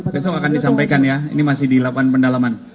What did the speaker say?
besok akan disampaikan ya ini masih dilakukan pendalaman